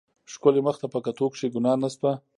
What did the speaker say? ښکلي مخ ته په کتو کښې ګناه نشته.